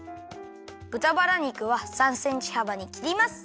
ぶたバラ肉は３センチはばにきります。